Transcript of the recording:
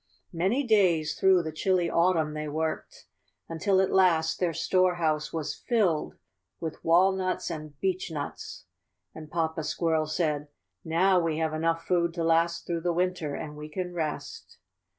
66 tTHE SQUIRRELS' HARVEST. "Many days' through the chilly autumn they worked, until at last their storehouse was filled with walnuts and beechnuts, and Papa Squirrel said: ^Now we have enough food to last through the winter and we can rest.